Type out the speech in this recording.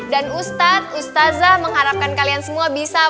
dan ustadz ustazah mengharapkan kalian semua bisa